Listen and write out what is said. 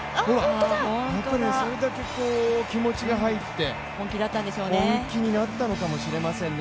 それだけ気持ちが入って、本気になったのかもしれませんね。